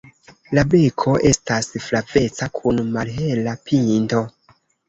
La beko estas flaveca kun malhela pinto.